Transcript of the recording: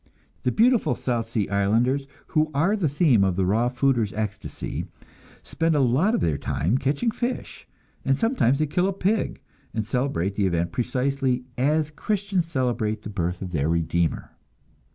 The beautiful South Sea Islanders, who are the theme of the raw fooders' ecstasy, spend a lot of their time catching fish, and sometimes they kill a pig, and celebrate the event precisely as Christians celebrate the birth of their Redeemer.